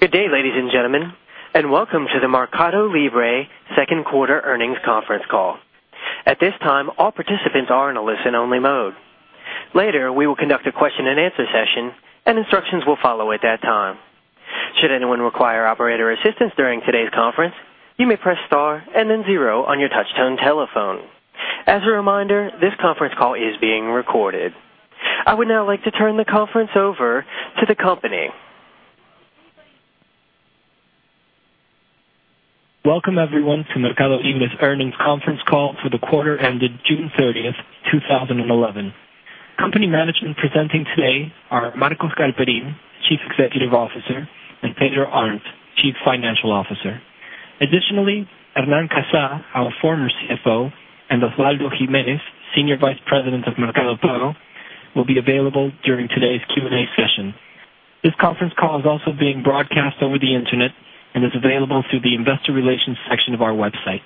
Good day, ladies and gentlemen, and welcome to the MercadoLibre Second Quarter Earnings Conference Call. At this time, all participants are in a listen-only mode. Later, we will conduct a question and answer session, and instructions will follow at that time. Should anyone require operator assistance during today's conference, you may press star and then zero on your touch-tone telephone. As a reminder, this conference call is being recorded. I would now like to turn the conference over to the company Welcome, everyone, to MercadoLibre's earnings conference call for the quarter ended June 30, 2011. Company management presenting today are Marcos Galperin, Chief Executive Officer, and Pedro Arnt, Chief Financial Officer. Additionally, Hernán Kazah, our former CFO, and Osvaldo Gimenez, Senior Vice President of MercadoPago, will be available during today's Q&A session. This conference call is also being broadcast over the internet and is available through the Investor Relations section of our website.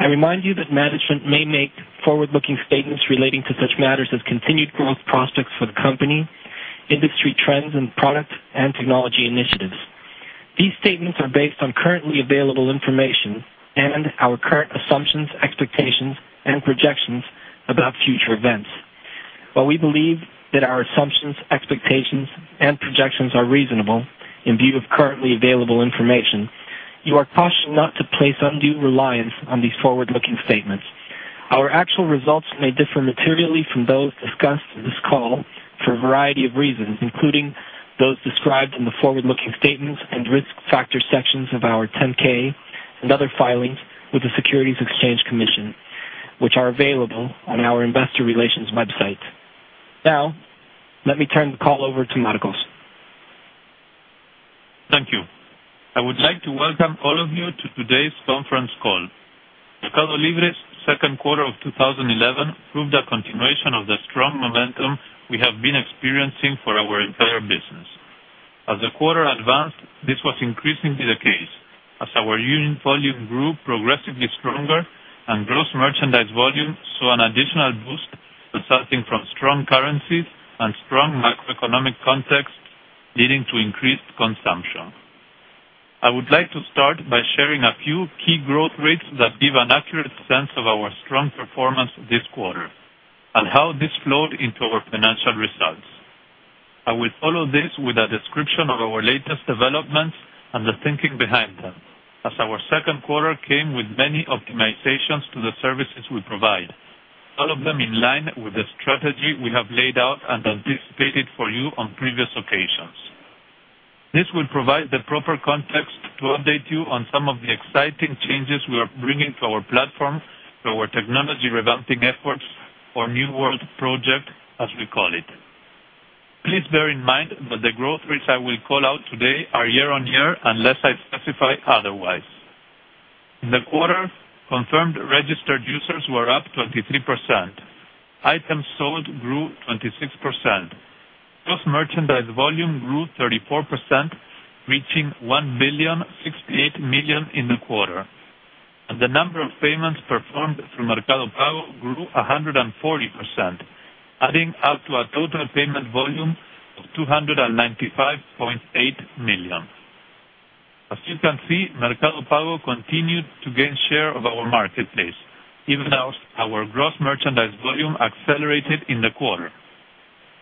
I remind you that management may make forward-looking statements relating to such matters as continued growth prospects for the company, industry trends, and product and technology initiatives. These statements are based on currently available information and our current assumptions, expectations, and projections about future events. While we believe that our assumptions, expectations, and projections are reasonable in view of currently available information, you are cautioned not to place undue reliance on these forward-looking statements. Our actual results may differ materially from those discussed in this call for a variety of reasons, including those described in the forward-looking statements and risk factor sections of our 10-K and other filings with the Securities Exchange Commission, which are available on our Investor Relations website. Now, let me turn the call over to Marcos. Thank you. I would like to welcome all of you to today's conference call. MercadoLibre's second quarter of 2011 proved a continuation of the strong momentum we have been experiencing for our entire business. As the quarter advanced, this was increasingly the case, as our union volume grew progressively stronger and gross merchandise volume saw an additional boost, resulting from strong currencies and strong macroeconomic context, leading to increased consumption. I would like to start by sharing a few key growth rates that give an accurate sense of our strong performance this quarter and how this flowed into our financial results. I will follow this with a description of our latest developments and the thinking behind them, as our second quarter came with many optimizations to the services we provide, all of them in line with the strategy we have laid out and anticipated for you on previous occasions. This will provide the proper context to update you on some of the exciting changes we are bringing to our platform through our technology-revolving efforts or new world project, as we call it. Please bear in mind that the growth rates I will call out today are year-on-year unless I specify otherwise. In the quarter, confirmed registered users were up 23%. Items sold grew 26%. Gross merchandise volume grew 34%, reaching $1,068,000,000 in the quarter. The number of payments performed through MercadoPago grew 140%, adding up to a total payment volume of $295.8 million. As you can see, MercadoPago continued to gain share of our marketplace, even as our gross merchandise volume accelerated in the quarter.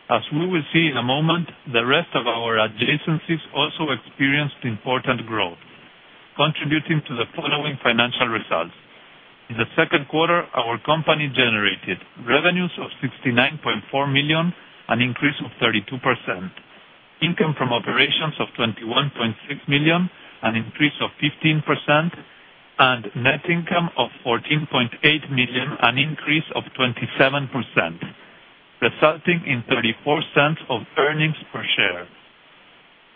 As we will see in a moment, the rest of our adjacencies also experienced important growth, contributing to the following financial results. In the second quarter, our company generated revenues of $69.4 million, an increase of 32%, income from operations of $21.6 million, an increase of 15%, and net income of $14.8 million, an increase of 27%, resulting in $0.34 of earnings per share.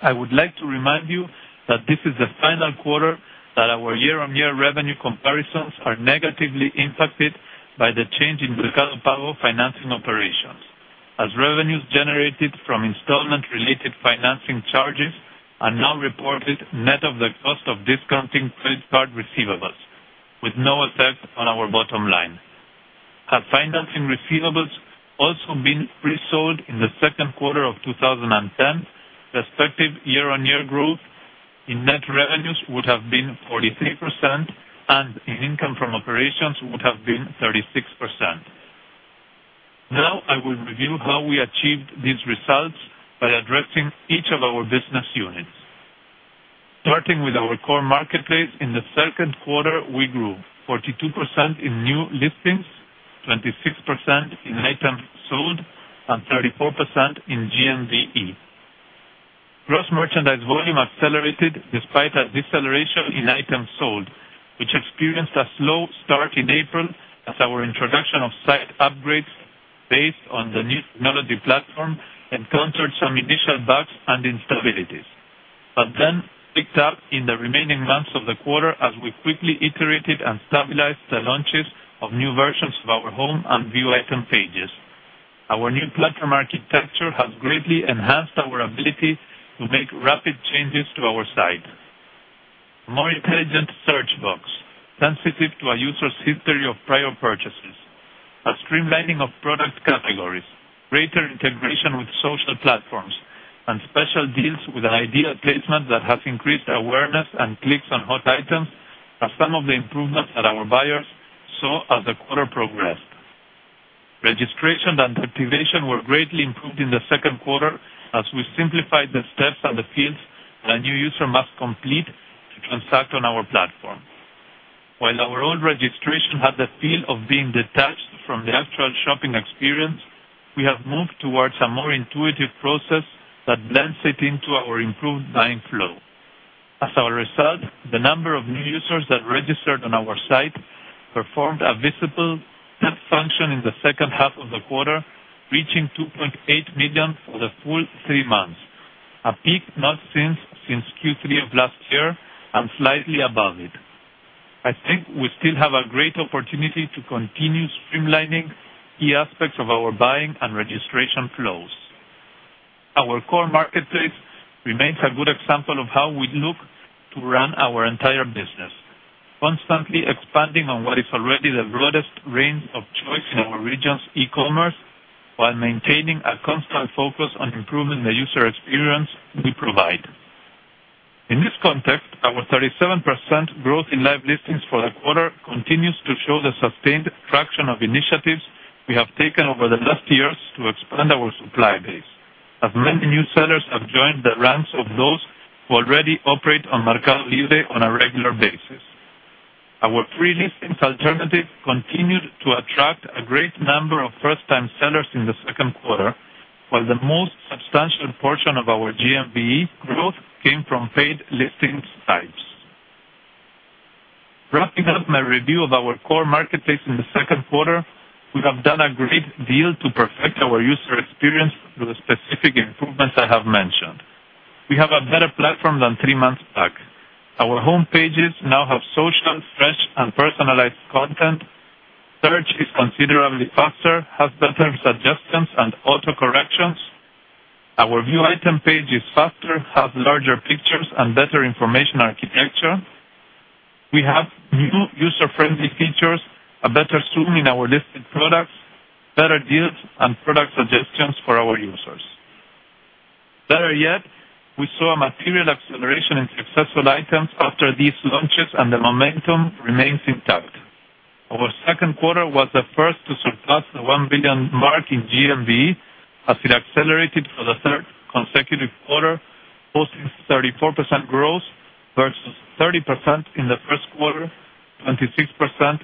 I would like to remind you that this is the final quarter that our year-on-year revenue comparisons are negatively impacted by the change in MercadoPago financing operations, as revenues generated from installment-related financing charges are now reported net of the cost of discounting credit card receivables, with no effect on our bottom line. Have financing receivables also been pre-sold in the second quarter of 2010? Respective year-on-year growth in net revenues would have been 43%, and in income from operations would have been 36%. Now, I will review how we achieved these results by addressing each of our business units. Starting with our core marketplace, in the second quarter, we grew 42% in new listings, 26% in items sold, and 34% in GMV. Gross merchandise volume accelerated despite a deceleration in items sold, which experienced a slow start in April as our introduction of site upgrades based on the new technology platform encountered some initial bugs and instabilities, but then picked up in the remaining months of the quarter as we quickly iterated and stabilized the launches of new versions of our home and view item pages. Our new platform architecture has greatly enhanced our ability to make rapid changes to our site. A more intelligent search box, sensitive to a user's history of prior purchases, a streamlining of product categories, greater integration with social platforms, and special deals with an ideal placement that has increased awareness and clicks on hot items are some of the improvements that our buyers saw as the quarter progressed. Registration and activation were greatly improved in the second quarter as we simplified the steps and the fields that a new user must complete to transact on our platform. While our old registration had the feel of being detached from the actual shopping experience, we have moved towards a more intuitive process that blends it into our improved buying flow. As a result, the number of new users that registered on our site performed a visible step function in the second half of the quarter, reaching 2.8 million for the full three months, a peak not seen since Q3 of last year and slightly above it. I think we still have a great opportunity to continue streamlining key aspects of our buying and registration flows. Our core marketplace remains a good example of how we look to run our entire business, constantly expanding on what is already the broadest range of choice in our region's e-commerce while maintaining a constant focus on improving the user experience we provide. In this context, our 37% growth in live listings for the quarter continues to show the sustained traction of initiatives we have taken over the last years to expand our supply base, as many new sellers have joined the ranks of those who already operate on MercadoLibre on a regular basis. Our pre-listings alternative continued to attract a great number of first-time sellers in the second quarter, while the most substantial portion of our GMV growth came from paid listing sites. Wrapping up my review of our core marketplace in the second quarter, we have done a great deal to perfect our user experience through the specific improvements I have mentioned. We have a better platform than three months back. Our home pages now have social, fresh, and personalized content. Search is considerably faster, has better suggestions and autocorrections. Our view item pages are faster, have larger pictures, and better information architecture. We have new user-friendly features, a better zoom in our listed products, better deals, and product suggestions for our users. Better yet, we saw a material acceleration in successful items after these launches, and the momentum remains intact. Our second quarter was the first to surpass the $1 billion mark in GMV as it accelerated for the third consecutive quarter, posting 34% growth versus 30% in the first quarter, 26%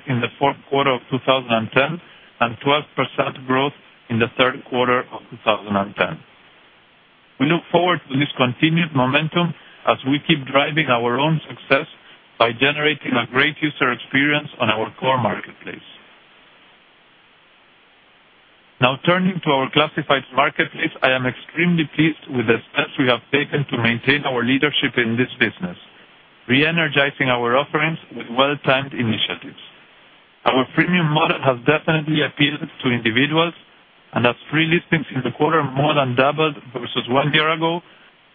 in the fourth quarter of 2010, and 12% growth in the third quarter of 2010. We look forward to this continued momentum as we keep driving our own success by generating a great user experience on our core marketplace. Now, turning to our classified marketplace, I am extremely pleased with the steps we have taken to maintain our leadership in this business, re-energizing our offerings with well-timed initiatives. Our premium model has definitely appealed to individuals, and as pre-listings in the quarter more than doubled versus one year ago,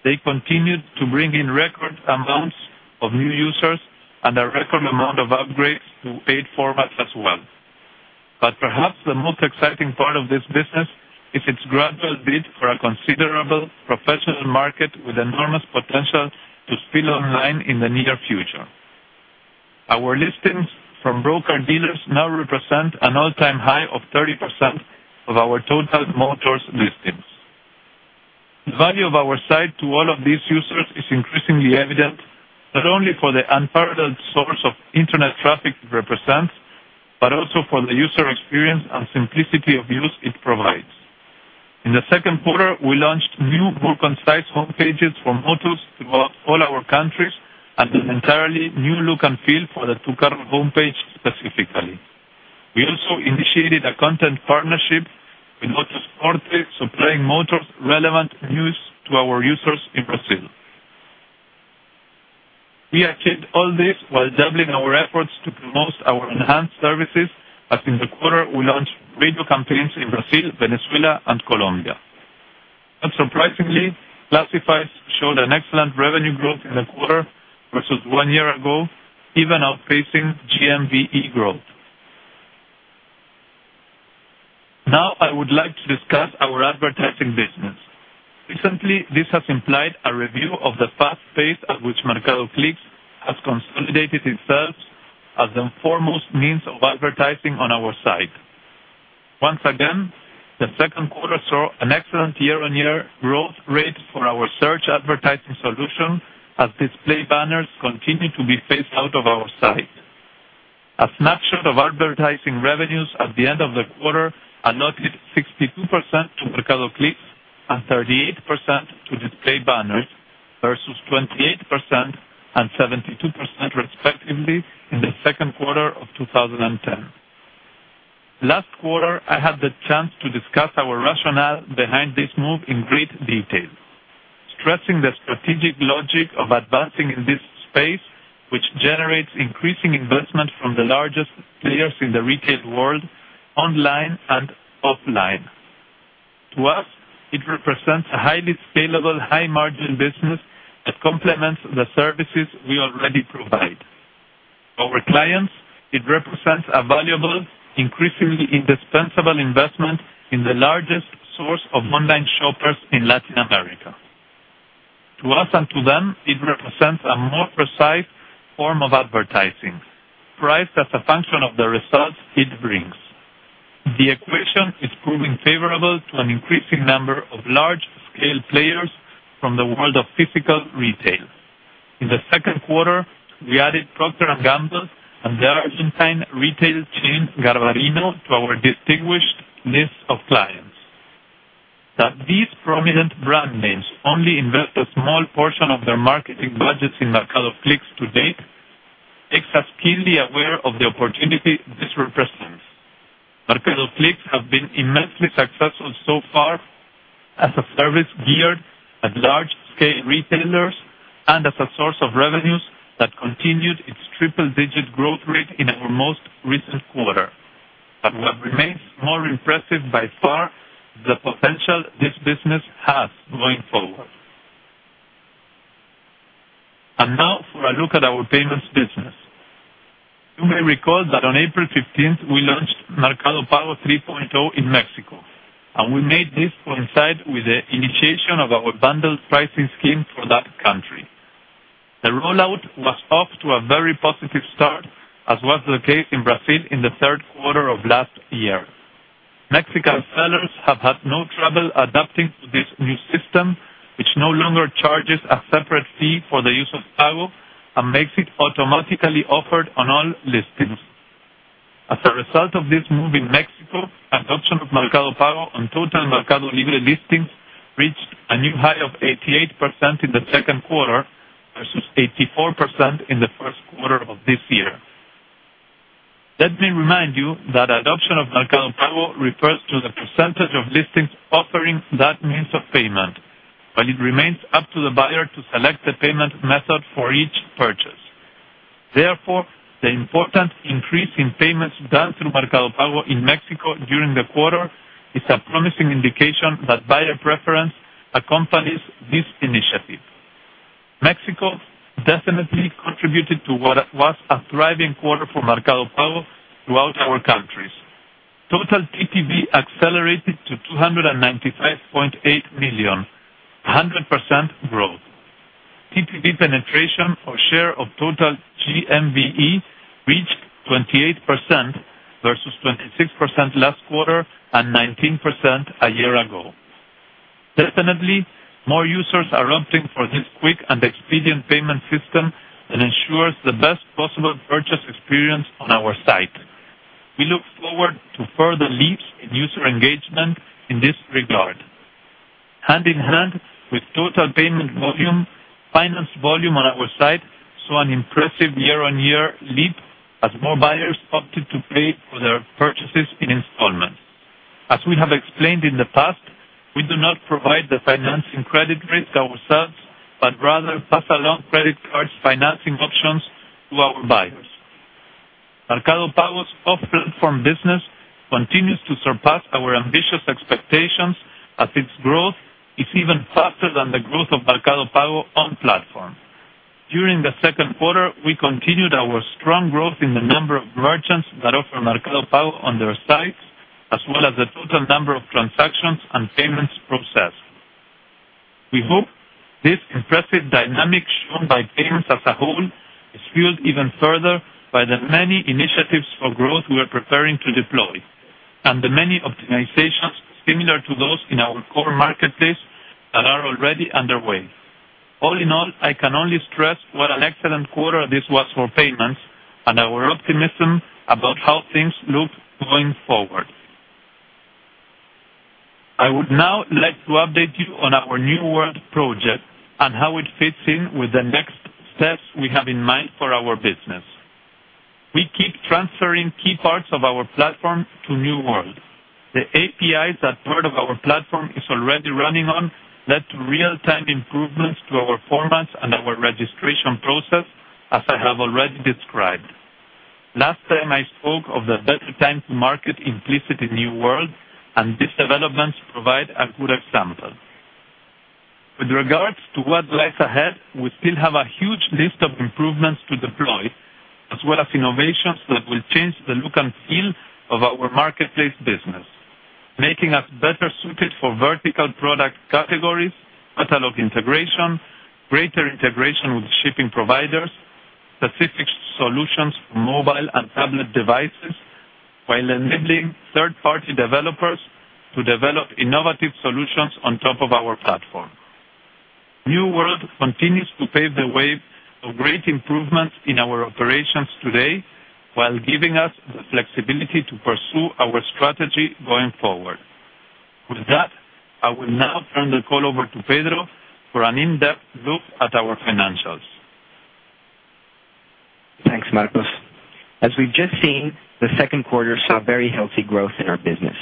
they continued to bring in record amounts of new users and a record amount of upgrades to paid formats as well. Perhaps the most exciting part of this business is its gradual bid for a considerable professional market with enormous potential to spill online in the near future. Our listings from broker-dealers now represent an all-time high of 30% of our total Motors listings. The value of our site to all of these users is increasingly evident, not only for the unparalleled source of internet traffic it represents, but also for the user experience and simplicity of use it provides. In the second quarter, we launched new, more concise home pages for Motors throughout all our countries and an entirely new look and feel for the Tucar home page specifically. We also initiated a content partnership with Motors Corp, supplying Motors relevant news to our users in Brazil. We achieved all this while juggling our efforts to promote our enhanced services, as in the quarter, we launched radio campaigns in Brazil, Venezuela, and Colombia. Not surprisingly, classifieds showed an excellent revenue growth in the quarter versus one year ago, even outpacing GMV growth. Now, I would like to discuss our advertising business. Recently, this has implied a review of the fast pace at which MercadoClics has consolidated itself as the foremost means of advertising on our site. Once again, the second quarter saw an excellent year-on-year growth rate for our search advertising solution, as display banners continue to be phased out of our site. A snapshot of advertising revenues at the end of the quarter allotted 62% to MercadoClics and 38% to display banners versus 28% and 72%, respectively, in the second quarter of 2010. Last quarter, I had the chance to discuss our rationale behind this move in great detail, stressing the strategic logic of advancing in this space, which generates increasing investment from the largest players in the retail world, online and offline. To us, it represents a highly scalable, high-margin business that complements the services we already provide. Our clients, it represents a valuable, increasingly indispensable investment in the largest source of online shoppers in Latin America. To us and to them, it represents a more precise form of advertising, priced as a function of the results it brings. The equation is proving favorable to an increasing number of large-scale players from the world of physical retail. In the second quarter, we added Procter & Gamble and the Argentine retail chain Garbarino to our distinguished list of clients. That these prominent brand names only invest a small portion of their marketing budgets in MercadoClics to date makes us keenly aware of the opportunity this represents. MercadoClics has been immensely successful so far as a service geared at large-scale retailers and as a source of revenues that continued its triple-digit growth rate in our most recent quarter. What remains more impressive by far is the potential this business has going forward. Now, for a look at our payments business. You may recall that on April 15, we launched MercadoPro 3.0 in Mexico, and we made this coincide with the initiation of our bundled pricing scheme for that country. The rollout was off to a very positive start, as was the case in Brazil in the third quarter of last year. Mexican sellers have had no trouble adapting to this new system, which no longer charges a separate fee for the use of MercadoPago and makes it automatically offered on all listings. As a result of this move in Mexico, adoption of MercadoPago on total MercadoLibre listings reached a new high of 88% in the second quarter versus 84% in the first quarter of this year. Let me remind you that adoption of MercadoPago refers to the percentage of listings offering that means of payment, but it remains up to the buyer to select the payment method for each purchase. Therefore, the important increase in payments done through MercadoPago in Mexico during the quarter is a promising indication that buyer preference accompanies this initiative. Mexico definitely contributed to what was a thriving quarter for MercadoPago throughout our countries. Total TPV accelerated to $295.8 million, 100% growth. TPV penetration, or share of total GMV, reached 28% versus 26% last quarter and 19% a year ago. Definitely, more users are opting for this quick and expedient payment system and it ensures the best possible purchase experience on our site. We look forward to further leaps in user engagement in this regard. Hand in hand with total payment volume, finance volume on our site saw an impressive year-on-year leap as more buyers opted to pay for their purchases in installments. As we have explained in the past, we do not provide the financing credit risk ourselves, but rather pass along credit cards financing options to our buyers. MercadoPago's off-platform business continues to surpass our ambitious expectations, as its growth is even faster than the growth of MercadoPago on platform. During the second quarter, we continued our strong growth in the number of merchants that offer MercadoPago on their sites, as well as the total number of transactions and payments processed. We hope this impressive dynamic shown by payments as a whole is fueled even further by the many initiatives for growth we are preparing to deploy and the many optimizations similar to those in our core marketplace that are already underway. All in all, I can only stress what an excellent quarter this was for payments and our optimism about how things look going forward. I would now like to update you on our new world project and how it fits in with the next steps we have in mind for our business. We keep transferring key parts of our platform to new worlds. The APIs that part of our platform is already running on led to real-time improvements to our formats and our registration process, as I have already described. Last time, I spoke of the better time to market implicit in new worlds, and these developments provide a good example. With regards to what lies ahead, we still have a huge list of improvements to deploy, as well as innovations that will change the look and feel of our marketplace business, making us better suited for vertical product categories, catalog integration, greater integration with shipping providers, specific solutions for mobile and tablet devices, while enabling third-party developers to develop innovative solutions on top of our platform. New world continues to pave the way for great improvements in our operations today, while giving us the flexibility to pursue our strategy going forward. With that, I will now turn the call over to Pedro for an in-depth look at our financials. Thanks, Marcos. As we've just seen, the second quarter saw very healthy growth in our business.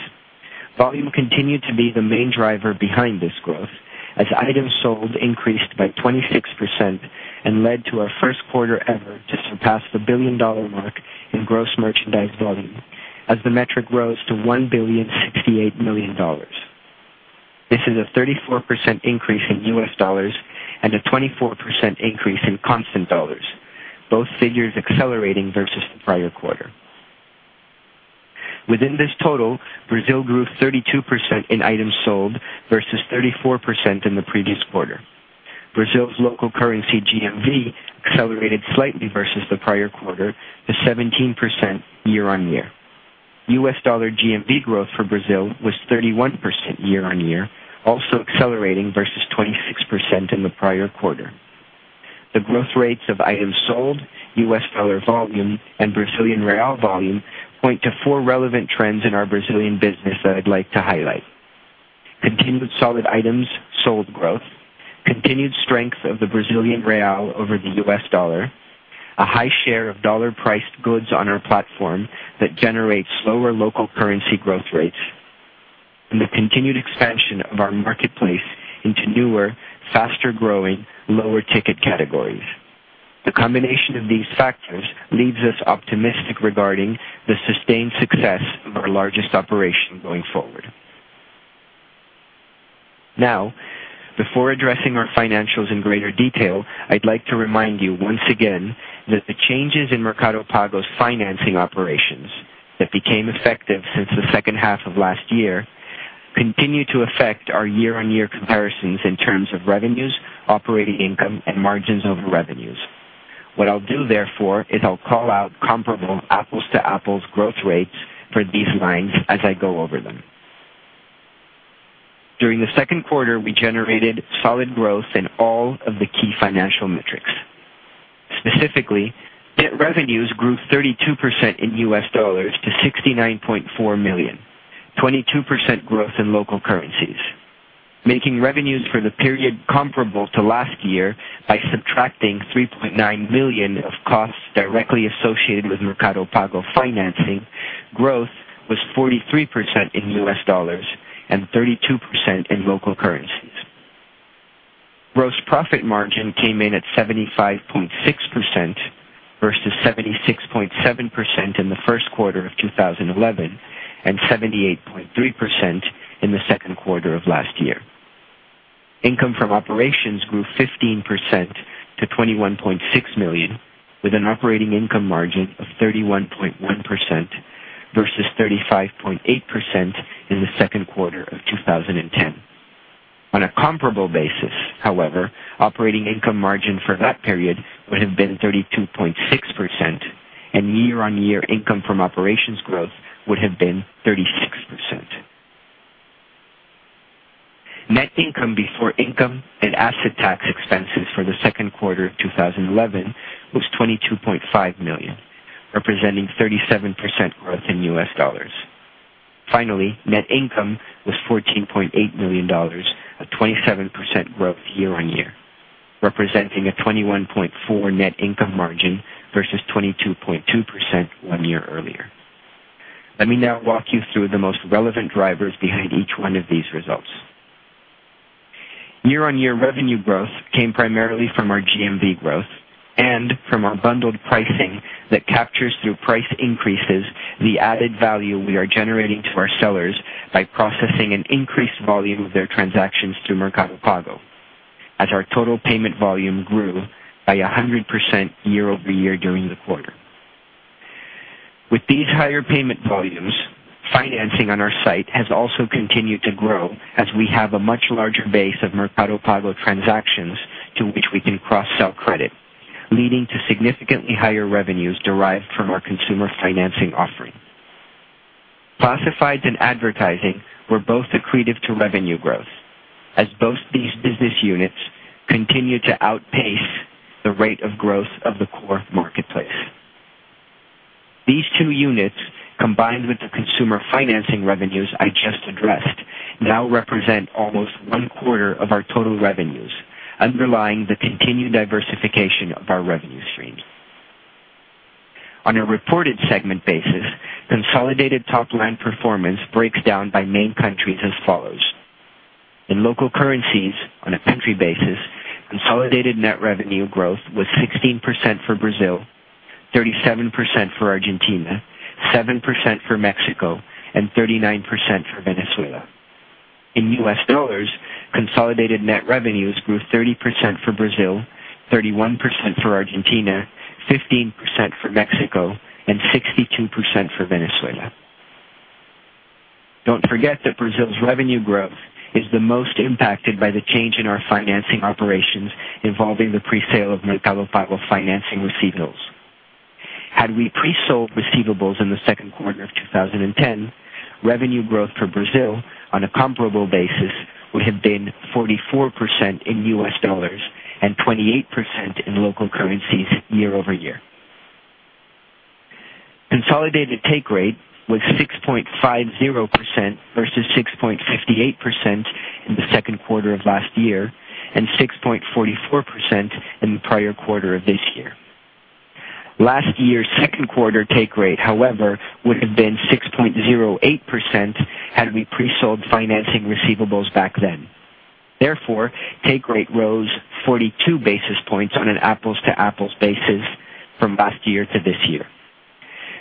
Volume continued to be the main driver behind this growth, as items sold increased by 26% and led to our first quarter ever to surpass the billion-dollar mark in gross merchandise volume, as the metric rose to $1.068 billion. This is a 34% increase in U.S. dollars and a 24% increase in constant dollars, both figures accelerating versus the prior quarter. Within this total, Brazil grew 32% in items sold versus 34% in the previous quarter. Brazil's local currency GMV accelerated slightly versus the prior quarter to 17% year-on-year. U.S. dollar GMV growth for Brazil was 31% year-on-year, also accelerating versus 26% in the prior quarter. The growth rates of items sold, U.S. dollar volume, and Brazilian real volume point to four relevant trends in our Brazilian business that I'd like to highlight: continued solid items sold growth, continued strength of the Brazilian real over the U.S. dollar, a high share of dollar-priced goods on our platform that generate slower local currency growth rates, and the continued expansion of our marketplace into newer, faster-growing, lower-ticket categories. The combination of these factors leaves us optimistic regarding the sustained success of our largest operation going forward. Now, before addressing our financials in greater detail, I'd like to remind you once again that the changes in MercadoPro's financing operations that became effective since the second half of last year continue to affect our year-on-year comparisons in terms of revenues, operating income, and margins over revenues. What I'll do, therefore, is I'll call out comparable apples-to-apples growth rates for these lines as I go over them. During the second quarter, we generated solid growth in all of the key financial metrics. Specifically, net revenues grew 32% in U.S. dollars to $69.4 million, 22% growth in local currencies, making revenues for the period comparable to last year by subtracting $3.9 million of costs directly associated with MercadoPro financing. Growth was 43% in U.S. dollars and 32% in local currencies. Gross profit margin came in at 75.6% versus 76.7% in the first quarter of 2011 and 78.3% in the second quarter of last year. Income from operations grew 15% to $21.6 million, with an operating income margin of 31.1% versus 35.8% in the second quarter of 2010. On a comparable basis, however, operating income margin for that period would have been 32.6%, and year-on-year income from operations growth would have been 36%. Net income before income and asset tax expenses for the second quarter of 2011 was $22.5 million, representing 37% growth in U.S. dollars. Finally, net income was $14.8 million, a 27% growth year-on-year, representing a 21.4% net income margin versus 22.2% one year earlier. Let me now walk you through the most relevant drivers behind each one of these results. Year-on-year revenue growth came primarily from our GMV growth and from our bundled pricing that captures through price increases the added value we are generating to our sellers by processing an increased volume of their transactions through MercadoPago, as our total payment volume grew by 100% year-over-year during the quarter. With these higher payment volumes, financing on our site has also continued to grow, as we have a much larger base of MercadoPago transactions to which we can cross-sell credit, leading to significantly higher revenues derived from our consumer financing offering. Classifieds and advertising were both accretive to revenue growth, as both these business units continue to outpace the rate of growth of the core marketplace. These two units, combined with the consumer financing revenues I just addressed, now represent almost one-quarter of our total revenues, underlying the continued diversification of our revenue stream. On a reported segment basis, consolidated top line performance breaks down by main countries as follows. In local currencies, on a country basis, consolidated net revenue growth was 16% for Brazil, 37% for Argentina, 7% for Mexico, and 39% for Venezuela. In U.S. dollars, consolidated net revenues grew 30% for Brazil, 31% for Argentina, 15% for Mexico, and 62% for Venezuela. Don't forget that Brazil's revenue growth is the most impacted by the change in our financing operations involving the pre-sale of MercadoPago financing receivables. Had we pre-sold receivables in the second quarter of 2010, revenue growth for Brazil, on a comparable basis, would have been 44% in U.S. dollars and 28% in local currencies year-over-year. Consolidated take rate was 6.50% versus 6.58% in the second quarter of last year and 6.44% in the prior quarter of this year. Last year's second quarter take rate, however, would have been 6.08% had we pre-sold financing receivables back then. Therefore, take rate rose 42 basis points on an apples-to-apples basis from last year to this year.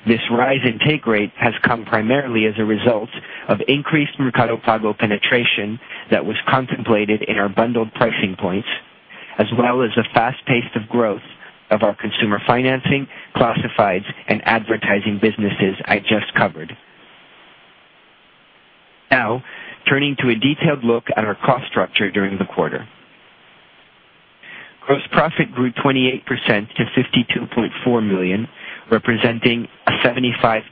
This rise in take rate has come primarily as a result of increased MercadoPro penetration that was contemplated in our bundled pricing points, as well as a fast pace of growth of our consumer financing, classifieds, and advertising businesses I just covered. Now, turning to a detailed look at our cost structure during the quarter, gross profit grew 28% to $52.4 million, representing a 75.6%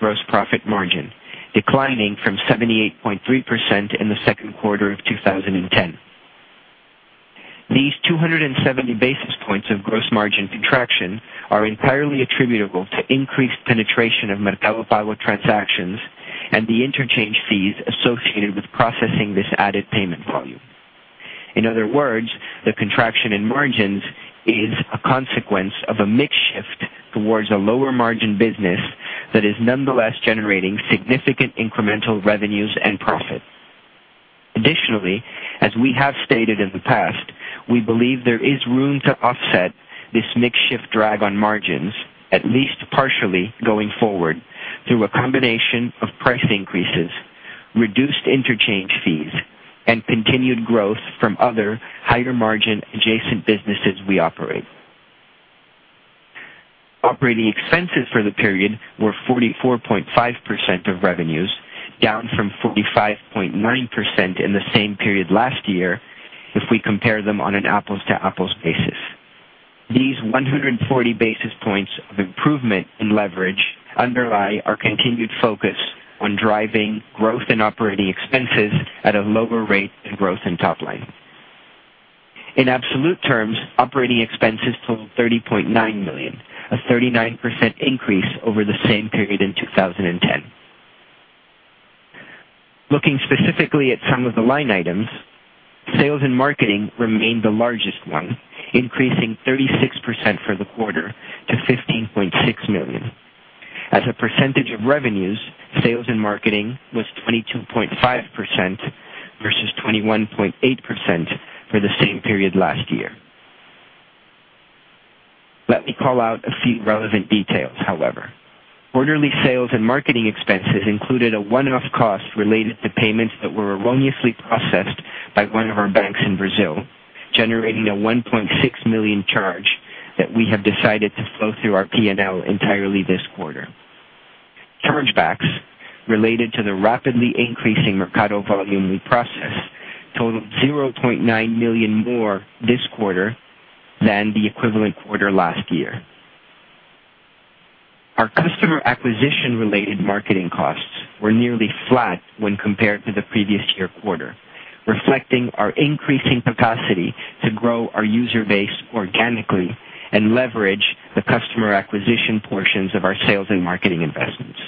gross profit margin, declining from 78.3% in the second quarter of 2010. These 270 basis points of gross margin contraction are entirely attributable to increased penetration of MercadoPro transactions and the interchange fees associated with processing this added payment volume. In other words, the contraction in margins is a consequence of a makeshift towards a lower margin business that is nonetheless generating significant incremental revenues and profit. Additionally, as we have stated in the past, we believe there is room to offset this makeshift drag on margins, at least partially going forward, through a combination of price increases, reduced interchange fees, and continued growth from other higher margin adjacent businesses we operate. Operating expenses for the period were 44.5% of revenues, down from 45.9% in the same period last year, if we compare them on an apples-to-apples basis. These 140 basis points of improvement in leverage underlie our continued focus on driving growth in operating expenses at a lower rate than growth in top line. In absolute terms, operating expenses totaled $30.9 million, a 39% increase over the same period in 2010. Looking specifically at some of the line items, sales and marketing remained the largest one, increasing 36% for the quarter to $15.6 million. As a percentage of revenues, sales and marketing was 22.5% versus 21.8% for the same period last year. Let me call out a few relevant details, however. Quarterly sales and marketing expenses included a one-off cost related to payments that were erroneously processed by one of our banks in Brazil, generating a $1.6 million charge that we have decided to flow through our P&L entirely this quarter. Chargebacks related to the rapidly increasing Mercado volume we processed totaled $0.9 million more this quarter than the equivalent quarter last year. Our customer acquisition-related marketing costs were nearly flat when compared to the previous year quarter, reflecting our increasing capacity to grow our user base organically and leverage the customer acquisition portions of our sales and marketing investments.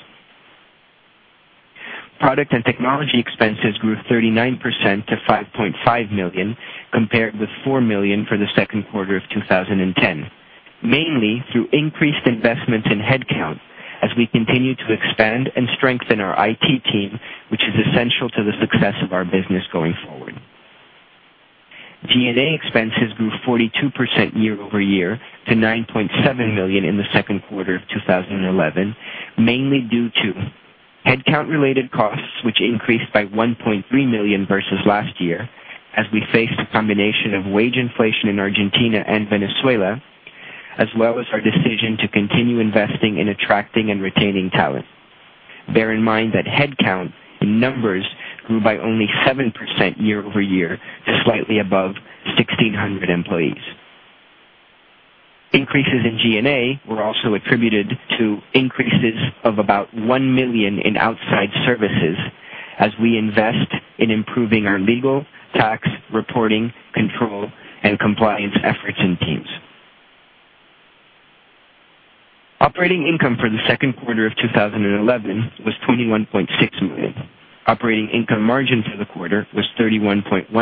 Product and technology expenses grew 39% to $5.5 million, compared with $4 million for the second quarter of 2010, mainly through increased investments in headcount as we continue to expand and strengthen our IT team, which is essential to the success of our business going forward. G&A expenses grew 42% year-over-year to $9.7 million in the second quarter of 2011, mainly due to headcount-related costs, which increased by $1.3 million versus last year, as we faced the combination of wage inflation in Argentina and Venezuela, as well as our decision to continue investing in attracting and retaining talent. Bear in mind that headcount in numbers grew by only 7% year-over-year to slightly above 1,600 employees. Increases in G&A were also attributed to increases of about $1 million in outside services, as we invest in improving our legal, tax, reporting, control, and compliance efforts and teams. Operating income for the second quarter of 2011 was $21.6 million. Operating income margin for the quarter was 31.1%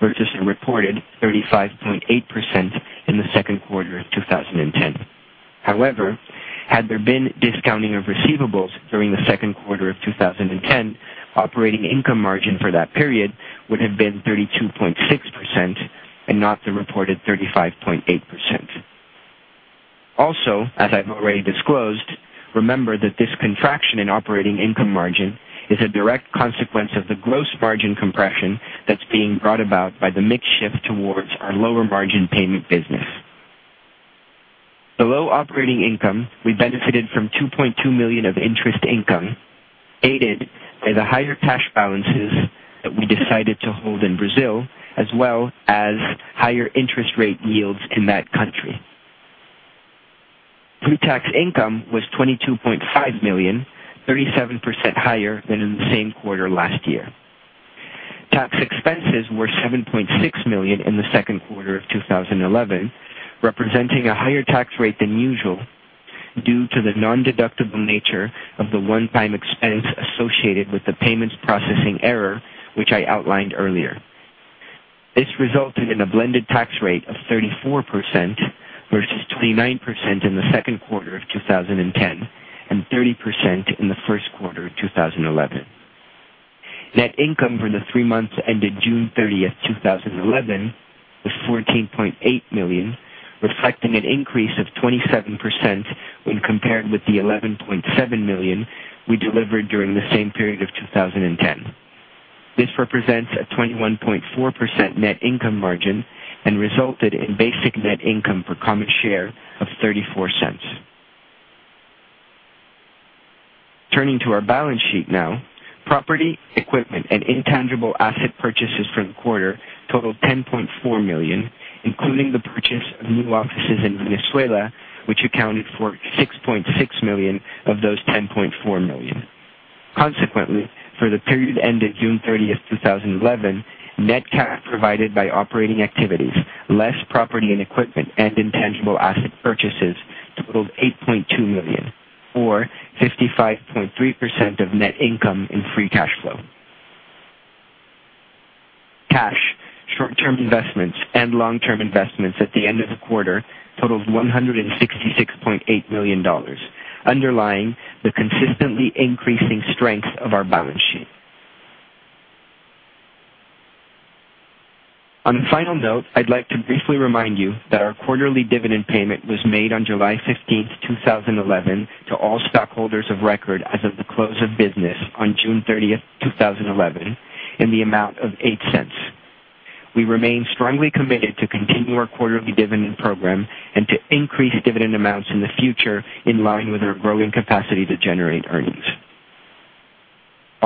versus a reported 35.8% in the second quarter of 2010. However, had there been discounting of receivables during the second quarter of 2010, operating income margin for that period would have been 32.6% and not the reported 35.8%. Also, as I've already disclosed, remember that this contraction in operating income margin is a direct consequence of the gross margin compression that's being brought about by the makeshift towards our lower margin payment business. Below operating income, we benefited from $2.2 million of interest income, aided by the higher cash balances that we decided to hold in Brazil, as well as higher interest rate yields in that country. Free tax income was $22.5 million, 37% higher than in the same quarter last year. Tax expenses were $7.6 million in the second quarter of 2011, representing a higher tax rate than usual due to the non-deductible nature of the one-time expense associated with the payments processing error, which I outlined earlier. This resulted in a blended tax rate of 34% versus 29% in the second quarter of 2010 and 30% in the first quarter of 2011. Net income for the three months ended June 30, 2011, was $14.8 million, reflecting an increase of 27% when compared with the $11.7 million we delivered during the same period of 2010. This represents a 21.4% net income margin and resulted in basic net income per common share of $0.34. Turning to our balance sheet now, property, equipment, and intangible asset purchases from the quarter totaled $10.4 million, including the purchase of new offices in Venezuela, which accounted for $6.6 million of those $10.4 million. Consequently, for the period ended June 30, 2011, net cash provided by operating activities, less property and equipment, and intangible asset purchases totaled $8.2 million, or 55.3% of net income in free cash flow. Cash, short-term investments, and long-term investments at the end of the quarter totaled $166.8 million, underlying the consistently increasing strength of our balance sheet. On a final note, I'd like to briefly remind you that our quarterly dividend payment was made on July 15th, 2011, to all stockholders of record as of the close of business on June 30, 2011, in the amount of $0.08. We remain strongly committed to continue our quarterly dividend program and to increase dividend amounts in the future in line with our growing capacity to generate earnings.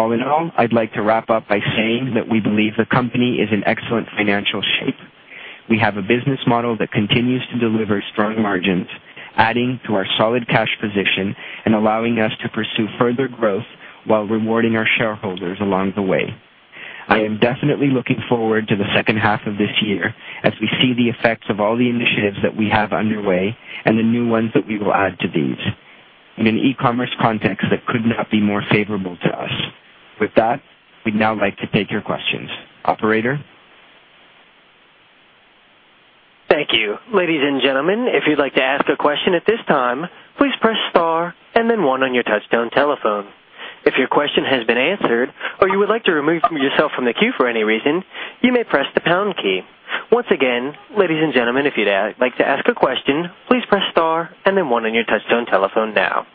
All in all, I'd like to wrap up by saying that we believe the company is in excellent financial shape. We have a business model that continues to deliver strong margins, adding to our solid cash position and allowing us to pursue further growth while rewarding our shareholders along the way. I am definitely looking forward to the second half of this year as we see the effects of all the initiatives that we have underway and the new ones that we will add to these in an e-commerce context that could not be more favorable to us. With that, we'd now like to take your questions. Operator? Thank you. Ladies and gentlemen, if you'd like to ask a question at this time, please press star and then one on your touchstone telephone. If your question has been answered or you would like to remove yourself from the queue for any reason, you may press the pound key. Once again, ladies and gentlemen, if you'd like to ask a question, please press star and then one on your touchstone telephone now.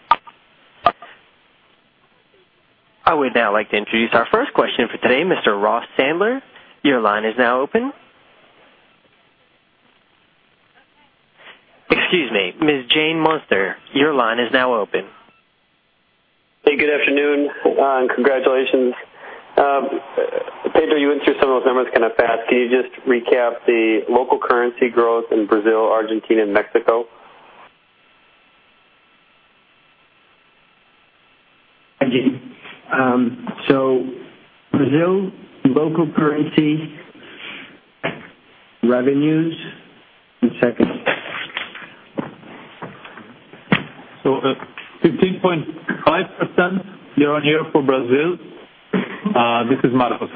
I would now like to introduce our first question for today, Mr. Ross Sandler. Your line is now open. Excuse me, Ms. Gene Munster, your line is now open. Hey, good afternoon and congratulations. Pedro, you went through some of those numbers kind of fast. Can you just recap the local currency growth in Brazil, Argentina, and Mexico? Brazil local currency revenue, one second. 15.5% year-on-year for Brazil. This is Marcos.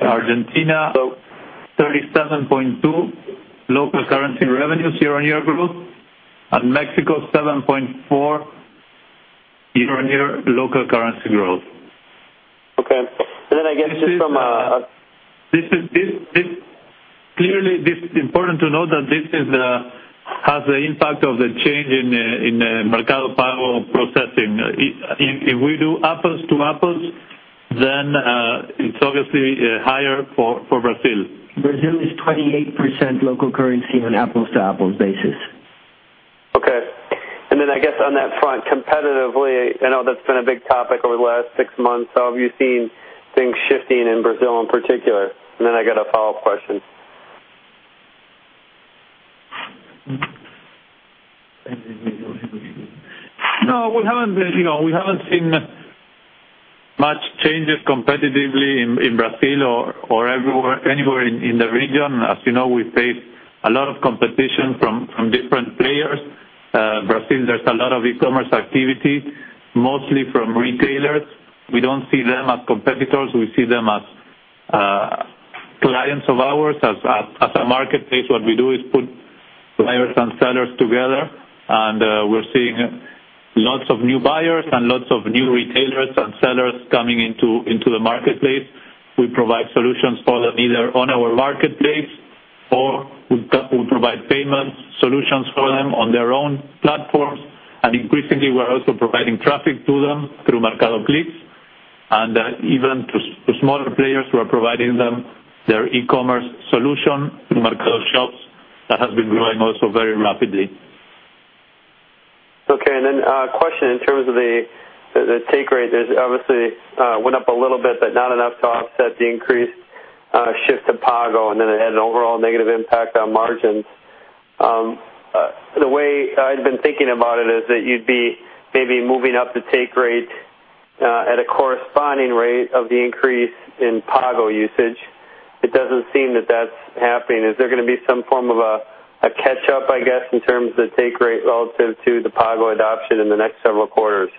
Argentina, 37.2% local currency revenues year-on-year growth, and Mexico, 7.4% year-on-year local currency growth. Okay. I guess just from a. Clearly, this is important to know that this has the impact of the change in MercadoPago processing. If we do apples-to-apples, then it's obviously higher for Brazil. Brazil is 28% local currency on an apples-to-apples basis. Okay. On that front, competitively, I know that's been a big topic over the last six months. How have you seen things shifting in Brazil in particular? I have a follow-up question. No, we haven't seen much changes competitively in Brazil or anywhere in the region. As you know, we face a lot of competition from different players. In Brazil, there's a lot of e-commerce activity, mostly from retailers. We don't see them as competitors. We see them as clients of ours. As a marketplace, what we do is put buyers and sellers together, and we're seeing lots of new buyers and lots of new retailers and sellers coming into the marketplace. We provide solutions for them either on our marketplace or we provide payment solutions for them on their own platforms. Increasingly, we're also providing traffic to them through MercadoClics and even to smaller players who are providing them their e-commerce MercadoShops, that has been growing also very rapidly. Okay. A question in terms of the take rate is, it obviously went up a little bit, but not enough to offset the increased shift to Pago, and it had an overall negative impact on margins. The way I've been thinking about it is that you'd be maybe moving up the take rate at a corresponding rate of the increase in Pago usage. It doesn't seem that that's happening. Is there going to be some form of a catch-up, I guess, in terms of the take rate relative to the Pago adoption in the next several quarters?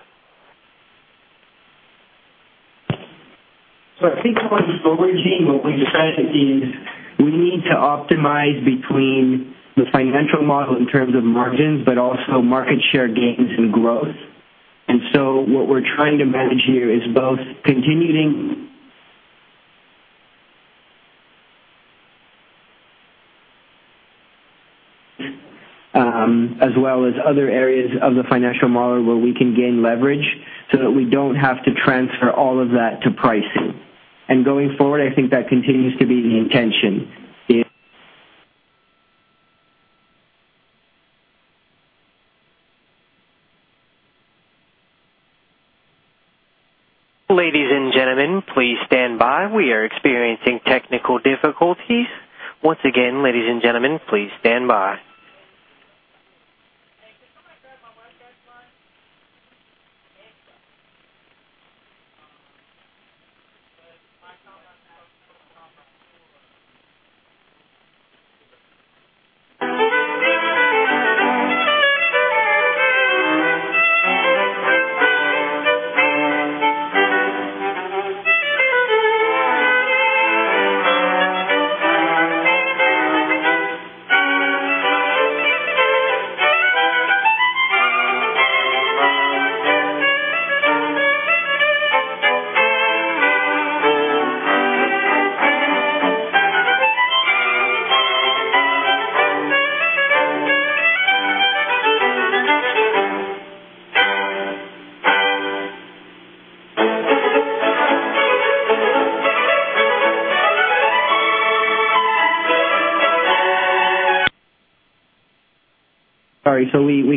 I think what we're seeing with the size of teams is we need to optimize between the financial model in terms of margins, but also market share gains and growth. What we're trying to manage here is both continuing, as well as other areas of the financial model where we can gain leverage so that we don't have to transfer all of that to pricing. Going forward, I think that continues to be the intention. Ladies and gentlemen, please stand by. We are experiencing technical difficulties. Once again, ladies and gentlemen, please stand by.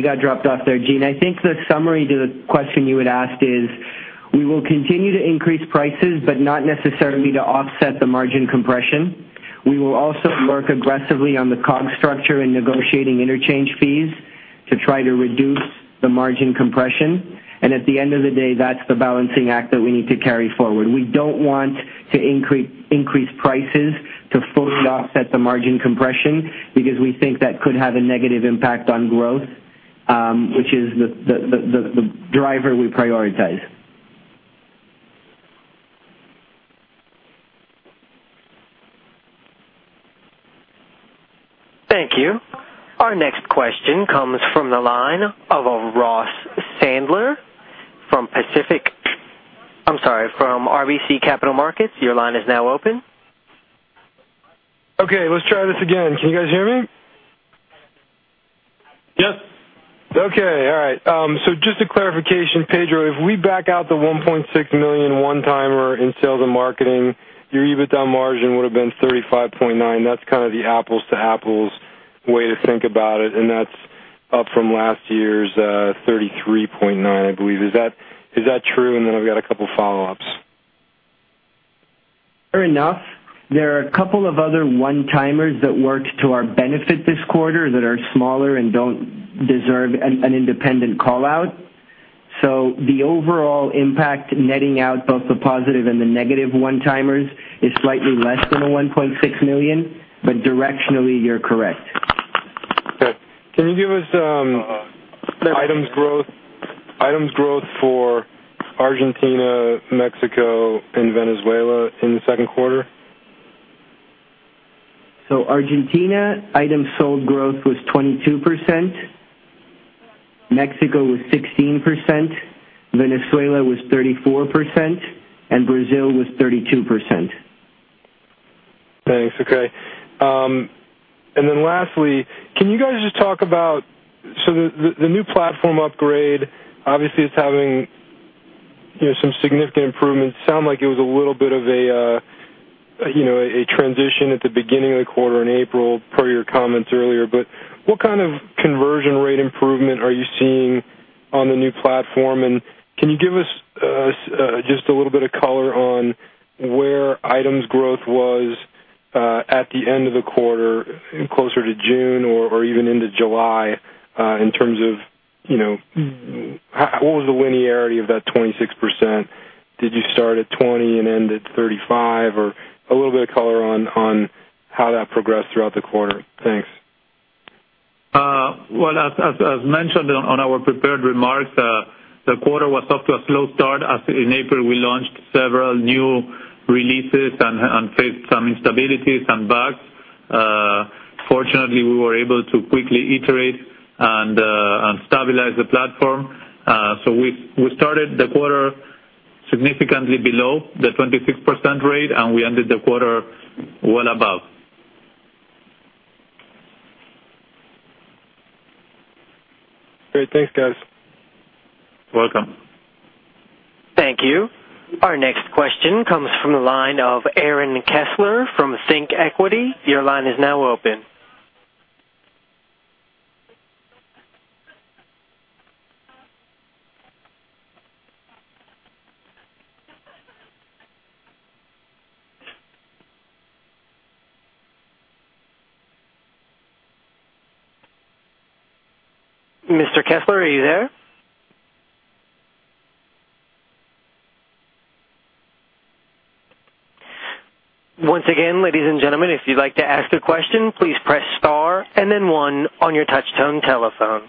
Sorry, we got dropped off there. Gene, I think the summary to the question you had asked is we will continue to increase prices, but not necessarily to offset the margin compression. We will also work aggressively on the comp structure and negotiating interchange fees to try to reduce the margin compression. At the end of the day, that's the balancing act that we need to carry forward. We don't want to increase prices to fully offset the margin compression because we think that could have a negative impact on growth, which is the driver we prioritize. Thank you. Our next question comes from the line of Ross Sandler from RBC Capital Markets. Your line is now open. Okay, let's try this again. Can you guys hear me? Yes. Okay. All right. Just a clarification, Pedro, if we back out the $1.6 million one-timer in sales and marketing, your EBITDA margin would have been 35.9%. That's kind of the apples-to-apples way to think about it. That's up from last year's 33.9%, I believe. Is that true? I've got a couple of follow-ups. Fair enough. There are a couple of other one-timers that worked to our benefit this quarter that are smaller and do not deserve an independent call out. The overall impact netting out both the positive and the negative one-timers is slightly less than the $1.6 million, but directionally, you're correct. Okay. Can you give us items growth for Argentina, Mexico, and Venezuela in the second quarter? Argentina, item sold growth was 22%. Mexico was 16%. Venezuela was 34%. Brazil was 32%. Thanks. Okay. Can you guys just talk about the new platform upgrade? Obviously, it's having some significant improvements. It sounds like it was a little bit of a transition at the beginning of the quarter in April, per your comments earlier. What kind of conversion rate improvement are you seeing on the new platform? Can you give us just a little bit of color on where items growth was at the end of the quarter, closer to June or even into July, in terms of what was the linearity of that 26%? Did you start at 20% and end at 35%, or a little bit of color on how that progressed throughout the quarter? Thanks. As mentioned on our prepared remarks, the quarter was off to a slow start. In April, we launched several new releases and faced some instabilities and bugs. Fortunately, we were able to quickly iterate and stabilize the platform. We started the quarter significantly below the 26% rate, and we ended the quarter well above. Great. Thanks, guys. You're welcome. Thank you. Our next question comes from the line of Aaron Kessler from Think Equity. Your line is now open. Mr. Kessler, are you there? Once again, ladies and gentlemen, if you'd like to ask a question, please press star and then one on your touch-tone telephone.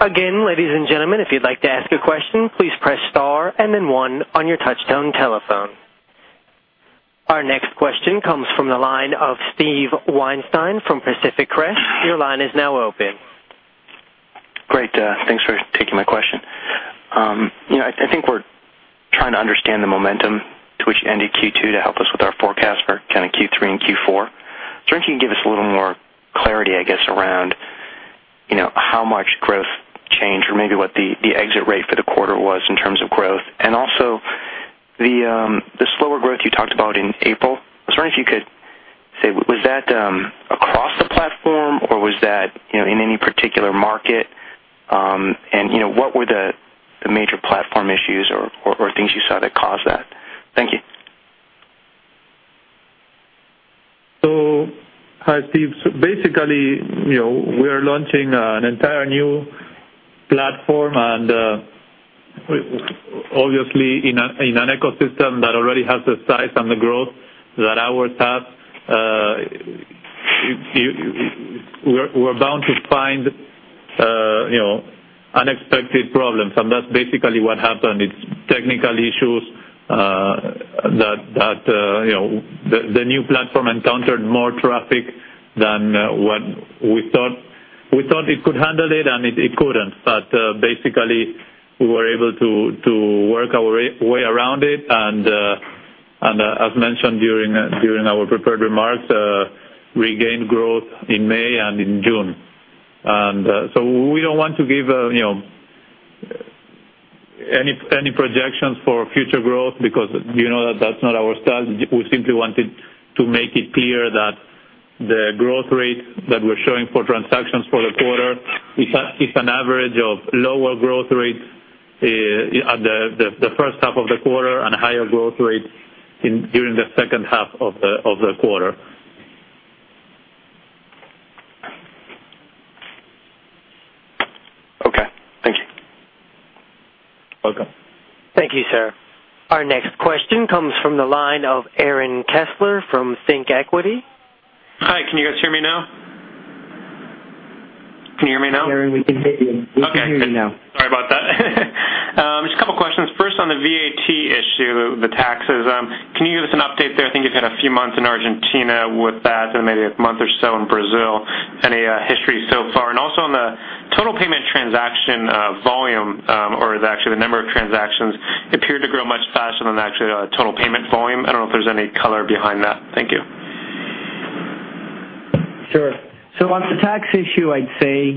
Again, ladies and gentlemen, if you'd like to ask a question, please press star and then one on your touch-tone telephone. Our next question comes from the line of Steve Weinstein from Pacific Press. Your line is now open. Great. Thanks for taking my question. I think we're trying to understand the momentum to which ended Q2 to help us with our forecast for kind of Q3 and Q4. I think you can give us a little more clarity, I guess, around how much growth changed or maybe what the exit rate for the quarter was in terms of growth. Also, the slower growth you talked about in April, I wonder if you could say, was that across the platform or was that in any particular market? What were the major platform issues or things you saw that caused that? Thank you. Hi, Steve. Basically, we are launching an entire new platform, and obviously in an ecosystem that already has the size and the growth that ours has, we're bound to find unexpected problems. That's basically what happened. It's technical issues that the new platform encountered more traffic than what we thought. We thought it could handle it, and it couldn't. Basically, we were able to work our way around it. As mentioned during our prepared remarks, we gained growth in May and in June. We don't want to give any projections for future growth because you know that that's not our style. We simply wanted to make it clear that the growth rate that we're showing for transactions for the quarter is an average of lower growth rate at the first half of the quarter and a higher growth rate during the second half of the quarter. Okay. Thank you, sir. Our next question comes from the line of Aaron Kessler from ThinkEquity. Can you guys hear me now? Can you hear me now? Aaron, we can hear you now. Okay. Sorry about that. Just a couple of questions. First, on the VAT issue, the taxes, can you give us an update there? I think you've had a few months in Argentina with that and maybe a month or so in Brazil. Any history so far? Also, on the total payment transaction volume or actually the number of transactions appeared to grow much faster than the actual total payment volume. I don't know if there's any color behind that. Thank you. Sure. On the tax issue, I'd say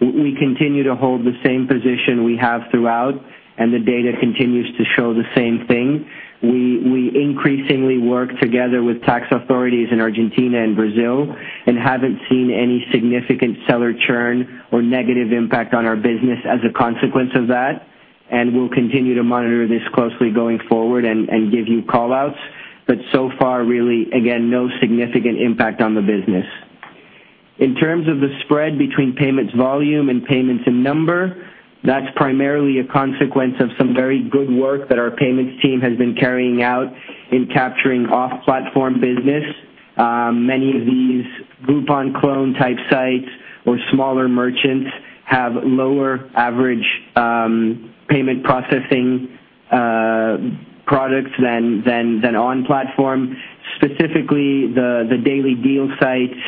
we continue to hold the same position we have throughout, and the data continues to show the same thing. We increasingly work together with tax authorities in Argentina and Brazil and haven't seen any significant seller churn or negative impact on our business as a consequence of that. We'll continue to monitor this closely going forward and give you call outs. So far, really, again, no significant impact on the business. In terms of the spread between payment volume and payments in number, that's primarily a consequence of some very good work that our payments team has been carrying out in capturing off-platform business. Many of these Groupon clone type sites or smaller merchants have lower average payment processing products than on-platform, specifically the daily deal sites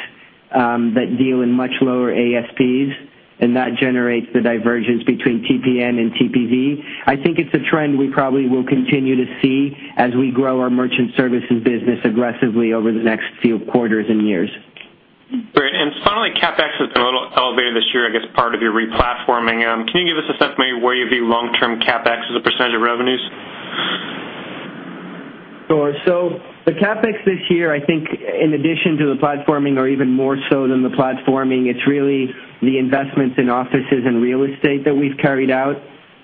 that deal in much lower ASPs. That generates the divergence between TPN and TPV. I think it's a trend we probably will continue to see as we grow our merchant services business aggressively over the next few quarters and years. Great. Finally, CapEx has been a little elevated this year, I guess, part of your replatforming. Can you give us a sense maybe where you view long-term CapEx as a percentage of revenues? Sure. The CapEx this year, I think in addition to the platforming, or even more so than the platforming, it's really the investments in offices and real estate that we've carried out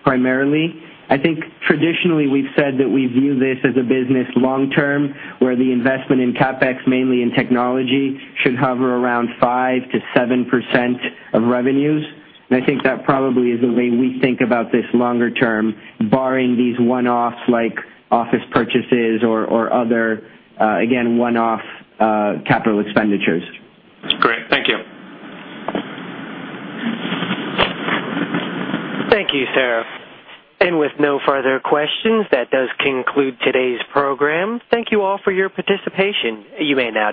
primarily. I think traditionally we've said that we view this as a business long-term, where the investment in CapEx, mainly in technology, should hover around 5%-7% of revenues. I think that probably is the way we think about this longer term, barring these one-offs like office purchases or other, again, one-off capital expenditures. Great. Thank you. Thank you, sir. With no further questions, that does conclude today's program. Thank you all for your participation. You may now.